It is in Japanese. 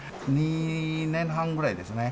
２年半ぐらいですね。